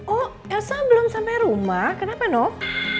oh elsa belum sampai rumah kenapa nok